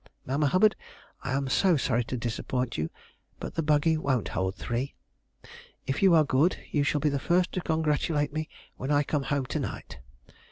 Mamma Hubbard, I am so sorry to disappoint you, but the buggy won't hold three. If you are good you shall be the first to congratulate me when I come home to night."